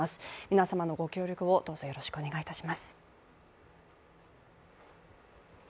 皆様のご協力を、どうぞよろしくお願いいたします。